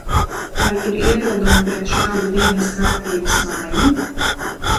Vai ir iebildumi pret šādu dienas kārtības maiņu?